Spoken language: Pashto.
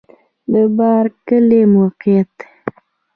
د بارک کلی موقعیت